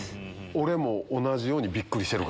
俺も同じようにびっくりしてる。